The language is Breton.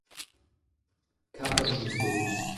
karet en deus bet.